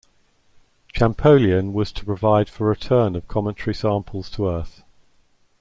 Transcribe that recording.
Champollion was to provide for return of cometary samples to Earth.